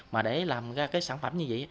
mà để làm ra sản phẩm như vậy